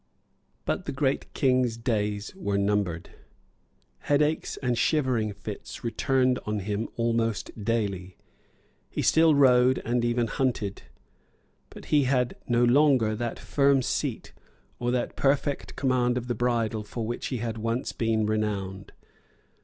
But the great King's days were numbered. Headaches and shivering fits returned on him almost daily. He still rode and even hunted; but he had no longer that firm seat or that perfect command of the bridle for which he had once been renowned.